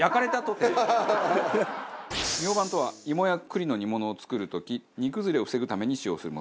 ミョウバンとはイモや栗の煮物を作る時煮崩れを防ぐために使用するもの。